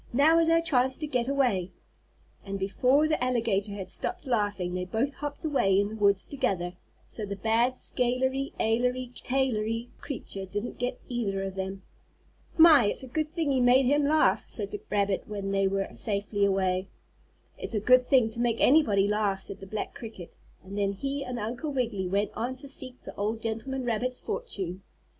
"Now is our chance to get away." And before the alligator had stopped laughing they both hopped away in the woods together, and so the bad scalery ailery tailery creature didn't get either of them. "My! it's a good thing you made him laugh," said the rabbit when they were safely away. "It's a good thing to make anybody laugh," said the black cricket, and then he and Uncle Wiggily went on to seek the old gentleman rabbit's fortune.